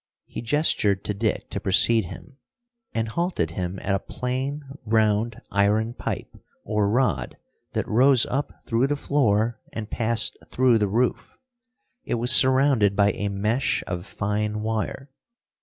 He gestured to Dick to precede him, and halted him at a plain round iron pipe or rod that rose up through the floor and passed through the roof. It was surrounded by a mesh of fine wire.